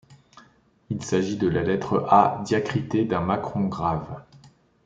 Il s'agit de la lettre A diacritée d'un macron-grave.